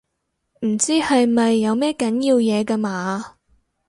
唔知係咪有咩緊要嘢㗎嘛